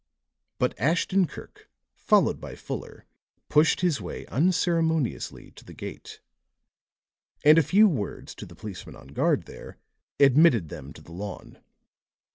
But Ashton Kirk, followed by Fuller, pushed his way unceremoniously to the gate; and a few words to the policeman on guard there admitted them to the lawn.